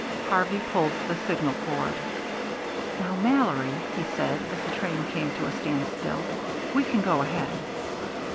Harvey pulled the signal cord. "Now, Mallory," he said, as the train came to a standstill, "we can go ahead."